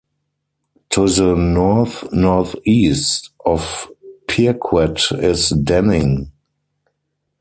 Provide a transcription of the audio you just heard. To the north-northeast of Pirquet is Denning.